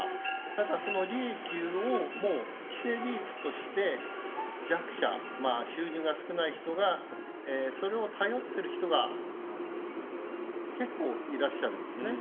ただ、その利益を既成事実として弱者、収入が少ない人がそれを頼っている人が結構いらっしゃるんですね。